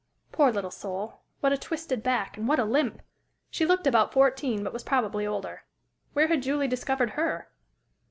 Poor little soul what a twisted back, and what a limp! She looked about fourteen, but was probably older. Where had Julie discovered her?